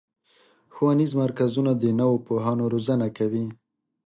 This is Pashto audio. ښوونیز مرکزونه د نوو پوهانو روزنه کوي.